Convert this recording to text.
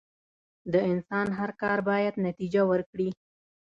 د انسان هر کار بايد نتیجه ورکړي.